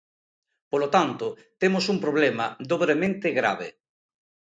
Polo tanto, temos un problema dobremente grave.